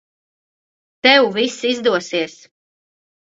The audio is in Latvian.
Tev viss izdosies.